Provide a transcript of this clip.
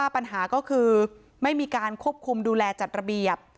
ปัญหาก็คือไม่มีการควบคุมดูแลจัดระเบียบ